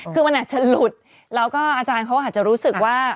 คือมันอาจจะหลุดแล้วก็อาจารย์เขาอาจจะรู้สึกว่า